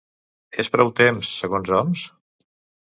És prou temps, segons Homs?